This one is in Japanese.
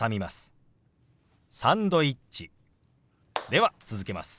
では続けます。